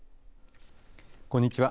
こんにちは。